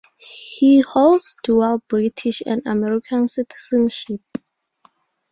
He holds dual British and American citizenship.